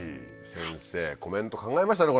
先生コメント考えましたね